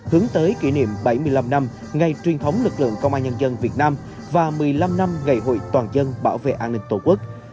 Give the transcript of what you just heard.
hướng tới kỷ niệm bảy mươi năm năm ngày truyền thống lực lượng công an nhân dân việt nam và một mươi năm năm ngày hội toàn dân bảo vệ an ninh tổ quốc